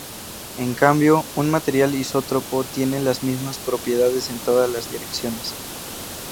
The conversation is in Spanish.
En cambio, un material isótropo tiene las mismas propiedades en todas las direcciones.